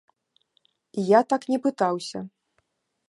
Я так не пытаўся.